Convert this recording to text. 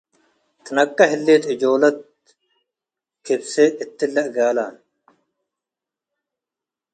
ትነቄ ሀሌት አጆለት ክብሰት እትለ እጋለ